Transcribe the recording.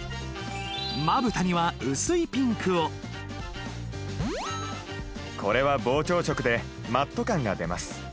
まぶたには薄いピンクをこれは膨張色でマット感が出ます